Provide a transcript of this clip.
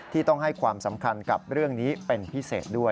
ที่ต้องให้ความสำคัญกับเรื่องนี้เป็นพิเศษด้วย